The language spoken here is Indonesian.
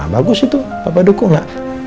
bagus itu papa dukung lah